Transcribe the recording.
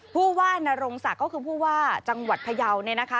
ผู้ว่านรงศักดิ์ก็คือผู้ว่าจังหวัดพยาวเนี่ยนะคะ